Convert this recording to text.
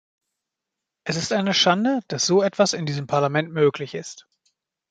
Es ist eine Schande, dass so etwas in diesem Parlament möglich ist.